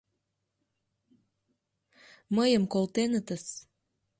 Мыйым колтенытыс...